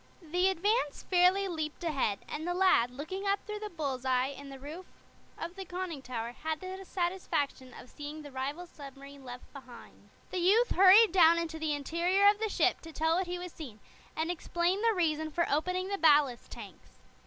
The Advance fairly leaped ahead, and the lad, looking up through the bull's eye in the roof of the conning tower, had the satisfaction of seeing the rival submarine left behind. The youth hurried down into the interior of the ship to tell what he had seen, and explain the reason for opening the ballast tanks.